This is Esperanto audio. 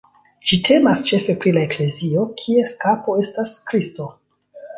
Ĝi temas ĉefe pri la eklezio, kies kapo estas Kristo.